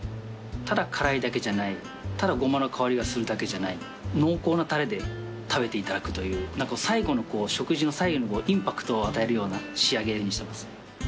ただ辛いだけじゃないただゴマの香りがするだけじゃない濃厚なタレで食べていただくという食事の最後にインパクトを与えるような仕上げにしてます。